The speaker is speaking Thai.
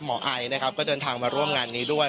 ไอนะครับก็เดินทางมาร่วมงานนี้ด้วย